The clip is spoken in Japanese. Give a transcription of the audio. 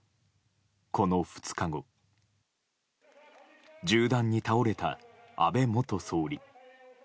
この２日後銃弾に倒れた安倍元総理。